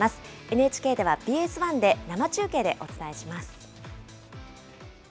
ＮＨＫではＢＳ１で生中継でお伝えします。